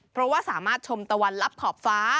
เพราะว่าสามารถชมตะวันลับขอบฟ้า